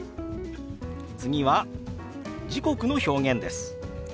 次は時刻の表現です。